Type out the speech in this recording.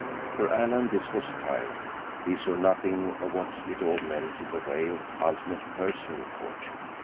For Alan this was triumph. He saw nothing of what it all meant in the way of ultimate personal fortune.